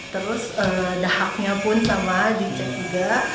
terus dahaknya pun sama di cek juga